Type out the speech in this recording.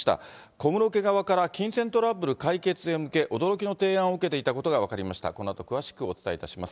小室家側から金銭トラブル解決へ向け、驚きの提案を受けていたことが分かりました。